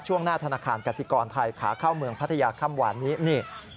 หน้าธนาคารกสิกรไทยขาเข้าเมืองพัทยาค่ำหวานนี้นี่